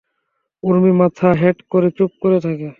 ঊর্মি মাথা হেঁট করে চুপ করে থাকে।